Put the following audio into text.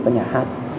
các nhà hát